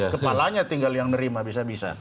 kepalanya tinggal yang nerima bisa bisa